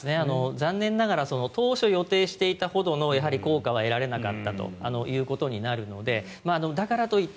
残念ながら当初予定していたほどの効果は得られなかったということになるのでだからといって、